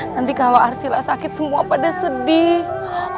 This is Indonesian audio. nanti kalau arsila sakit semua pada sedih